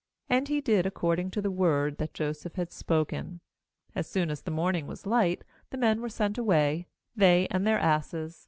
And he did accord ing to the word that Joseph had spoken. 3As soon as the morning was light, the men were sent away, they and their asses.